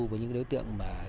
với những đối tượng